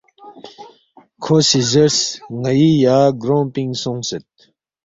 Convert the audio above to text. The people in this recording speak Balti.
کھو سی زیرس، ”ن٘ئی یا گرونگ پِنگ سونگسید